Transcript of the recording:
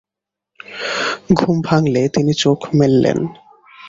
ঘুম ভাঙলে তিনি চোখ মেললেন।